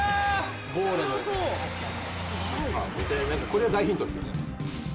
これは大ヒントですよね。